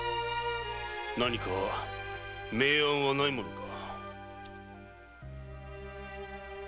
何か名案はないものか。